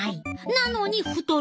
なのに太る！